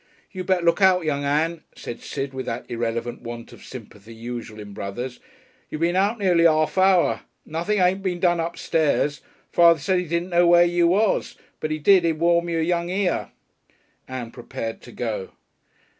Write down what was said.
"You better look out, young Ann," said Sid, with that irreverent want of sympathy usual in brothers. "You been out nearly 'arf hour. Nothing ain't been done upstairs. Father said he didn't know where you was, but when he did he'd warm y'r young ear." Ann prepared to go.